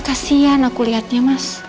kasihan aku liatnya mas